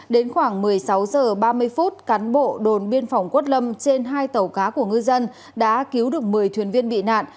đến khoảng một mươi sáu h ba mươi phút cán bộ đồn biên phòng quất lâm trên hai tàu cá của ngư dân đã cứu được một mươi thuyền viên bị nạn